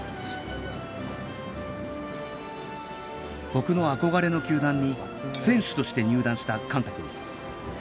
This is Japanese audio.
僕の憧れの球団に選手として入団した幹汰君